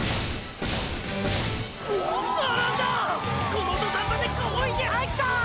この土壇場で強引に入った！！